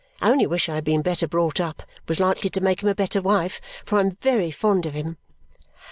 I only wish I had been better brought up and was likely to make him a better wife, for I am very fond of him."